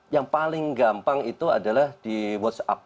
yang paling gampang itu adalah di whatsapp